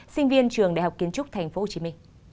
sinh viên trường đại học kiến trúc tp hcm